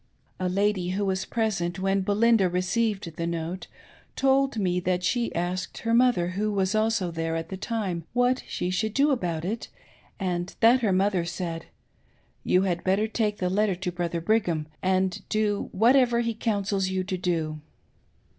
A lady who was present when Belinda ]:eceived the note, told me that she asked her mother, who was also there at the time, what she should do about it, and that her mother said —" You had better take the letter to Brother Brigham, and do whatever he counsels you to do."